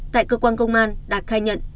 tại cơ quan công an đạt khai nhận